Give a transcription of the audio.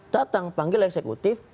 datang panggil eksekutif